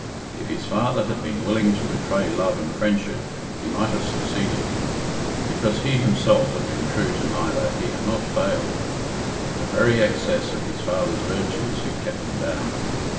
If his father had been willing to betray love and friendship, he might have succeeded. Because he himself had been true to neither, he had not failed. The very excess of his father's virtues had kept him down.